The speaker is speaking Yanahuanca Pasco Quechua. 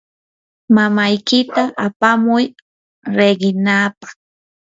mamaykita apamuy riqinaapaq.